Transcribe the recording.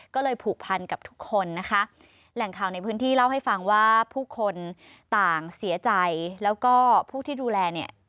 ก็เลยผูกพันกับทุกคนนะคะแหล่งข่าวในพื้นที่เล่าให้ฟังว่าผู้คนต่างเสียใจแล้วก็ผู้ที่ดูแลเนี่ย